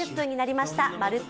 「まるっと！